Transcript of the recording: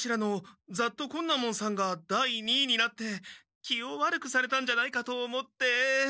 奈門さんが第二位になって気を悪くされたんじゃないかと思って。